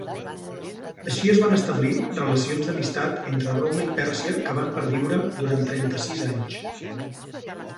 Així es van establir relacions d'amistat entre Roma i Pèrsia que van perviure durant trenta-sis anys.